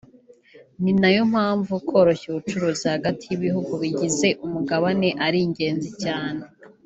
ni nayo mpamvu koroshya ubucuruzi hagati y’ibihugu bigize umugabane ari ingenzi cyane